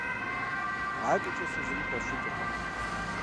АдэкӀэ сэ зыри хэсщӀыкӀыркъым.